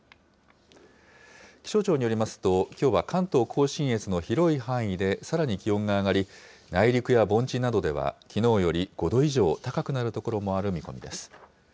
気象庁によりますと、きょうは関東甲信越の広い範囲で、さらに気温が上がり、内陸や盆地などでは、きのうより５度以上高くなる所もある見込みです。